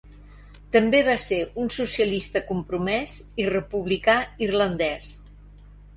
També va ser un socialista compromès i republicà irlandès.